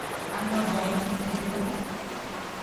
And no bonus material?